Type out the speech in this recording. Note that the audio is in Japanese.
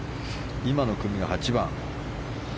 今の組が８番。